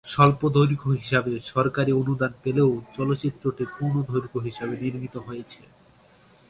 স্বল্পদৈর্ঘ্য হিসেবে সরকারি অনুদান পেলেও চলচ্চিত্রটি পূর্ণদৈর্ঘ্য হিসেবে নির্মিত হয়েছে।